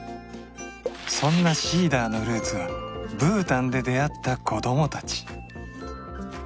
そんなＳｅｅｄｅｒのルーツはブータンで出会った子どもたち